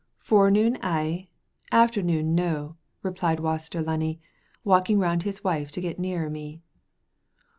"Forenoon, ay; afternoon, no," replied Waster Lunny, walking round his wife to get nearer me.